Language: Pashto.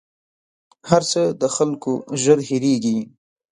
هر څه د خلکو ژر هېرېـږي